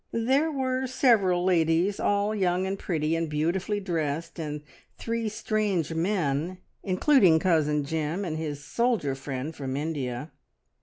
There were several ladies, all young and pretty and beautifully dressed, and three strange men, including Cousin Jim and his soldier friend from India.